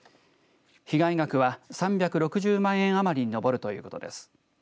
被害額は３６０万円余りに上るということです。